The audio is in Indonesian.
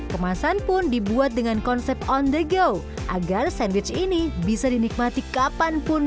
kemasan pun dibuat dengan konsep on the go agar sandwich ini bisa dinikmati kapanpun